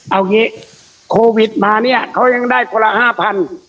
เอาอย่างงี้โควิดมาเนี้ยเขายังได้กว่าละห้าพัน